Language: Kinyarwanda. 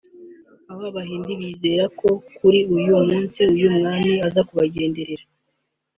Abo bahindI bizera ko kuri uwo munsi uyu mwami aza kubagenderera